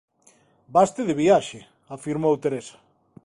Vaste de viaxe –afirmou Teresa.